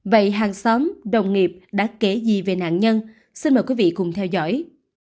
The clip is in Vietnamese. vậy hàng xóm đồng nghiệp đã kể gì về nạn nhân xin mời quý vị cùng theo dõi